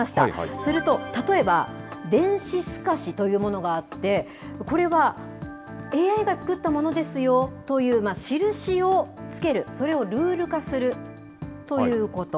すると、例えば電子透かしというものがあって、これはＡＩが作ったものですよというしるしをつける、それをルール化するということ。